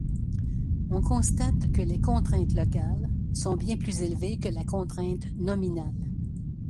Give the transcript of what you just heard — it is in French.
On constate que les contraintes locales sont bien plus élevées que la contrainte nominale.